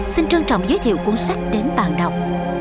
xin trân trọng giới thiệu cuốn sách đến bạn đọc